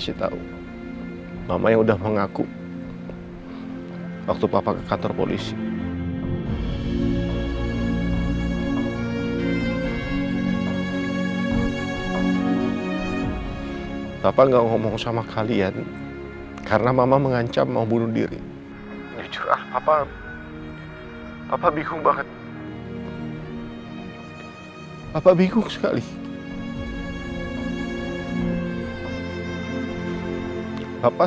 sampai jumpa di video selanjutnya